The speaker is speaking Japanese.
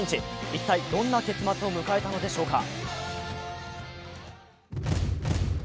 一体どんな結末を迎えたのでしょうか。